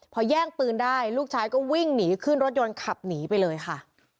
พอแย่งปืนได้ลูกชายก็วิ่งหนีขึ้นรถยนต์ขับหนีไปเลยค่ะ